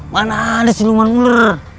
mana ada siluman ular